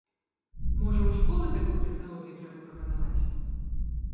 Можа, у школы такую тэхналогію трэба прапанаваць?